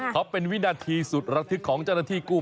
เขาเป็นวินาทีสุดระทึกของเจ้าหน้าที่กู้